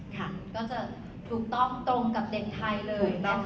ก็จะถูกต้องตรงกับเด็กไทยเลยนะคะ